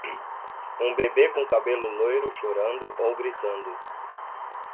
Um bebê com cabelo loiro chorando ou gritando.